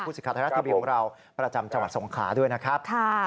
ภูสิกษาธรรทีบีของเราประจำจังหวัดสงขาด้วยนะครับ